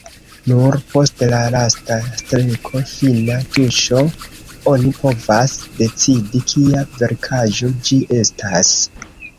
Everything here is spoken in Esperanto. Nur post la lasta streko, fina tuŝo, oni povas decidi kia verkaĵo ĝi estas.